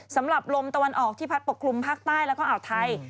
สำหรับลมตะวันออกที่พัดปกคลุมภาคใต้แล้วก็อ่าวไทย